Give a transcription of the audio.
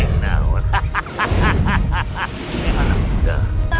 ini anak muda